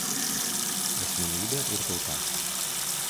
Asmenybė ir tauta.